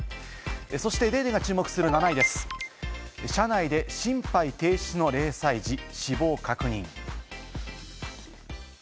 そして『ＤａｙＤａｙ．』が注目する７位です、車内で心肺停止の０歳児、死亡確認。